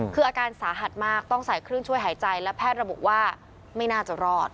คืออาการสาหัสมากต้องใส่เครื่องช่วยหายใจและแพทย์ระบุว่าไม่น่าจะรอด